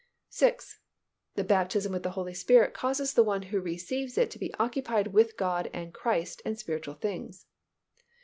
6. _The baptism with the Holy Spirit causes the one who receives it to be occupied with God and Christ and spiritual things.